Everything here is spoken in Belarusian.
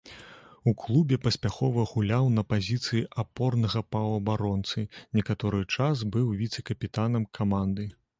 У клубе паспяхова гуляў на пазіцыі апорнага паўабаронцы, некаторы час быў віцэ-капітанам каманды.